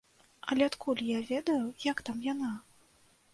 Але адкуль я ведаю, як там яна?